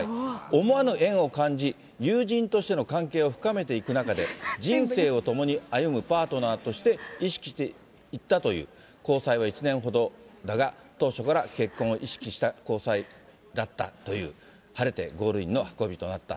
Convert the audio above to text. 思わぬ縁を感じ、友人としての関係を深めていく中で、人生を共に歩むパートナーとして意識していったという、交際は１年ほどだが、当初から結婚を意識した交際だったという、晴れてゴールインの運びとなった。